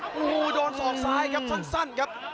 โอ้โหโดนศอกซ้ายครับสั้นครับ